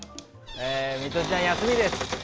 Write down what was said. ミトちゃん、休みです。